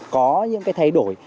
có những thay đổi